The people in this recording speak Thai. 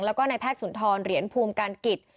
แล้วก็ในแพทย์สุนทรเหรียญภูมิการกิจ